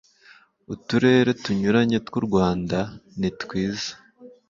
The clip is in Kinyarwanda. uturere tunyuranye tw u rwanda nitwiza